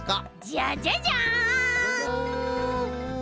じゃじゃじゃん！